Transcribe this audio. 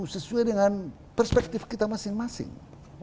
sesuai dengan perspektif kita masing masing